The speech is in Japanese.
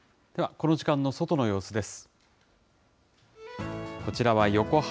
この時間の外の様子です。